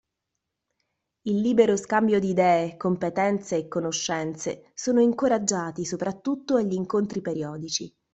Il libero scambio di idee, competenze e conoscenze sono incoraggiati, soprattutto agli incontri periodici.